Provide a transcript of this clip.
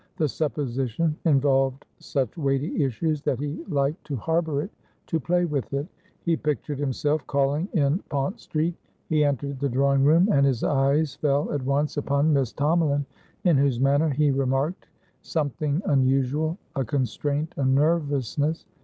The supposition involved such weighty issues that he liked to harbour it, to play with it. He pictured himself calling in Pont Street; he entered the drawing room, and his eyes fell at once upon Miss Tomalin, in whose manner he remarked something unusual a constraint, a nervousness.